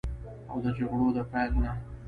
او د جګړو د پیل نه